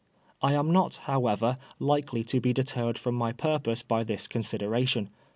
I am not, however, likely to be deterred from my purpose by this consideration.